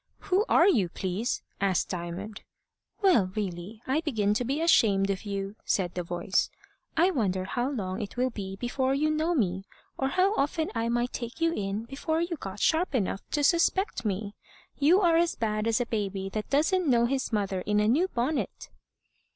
"Who are you, please?" asked Diamond. "Well, really, I begin to be ashamed of you," said the voice. "I wonder how long it will be before you know me; or how often I might take you in before you got sharp enough to suspect me. You are as bad as a baby that doesn't know his mother in a new bonnet."